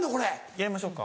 やりましょうか？